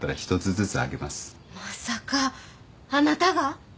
まさかあなたが。